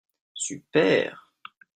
Super.